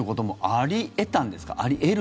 あり得るんですか？